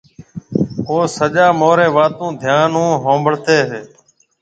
او سجا مهاريَ واتون ڌيان هون هونبڙتي تي۔